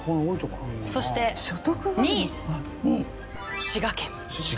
そして２位滋賀県。